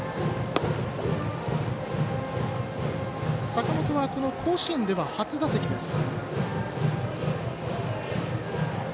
坂本は、甲子園では初打席です。